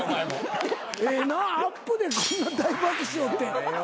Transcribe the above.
ええなアップでこんな大爆笑って。